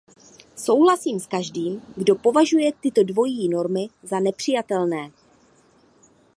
Souhlasím s každým, kdo považuje tyto dvojí normy za nepřijatelné.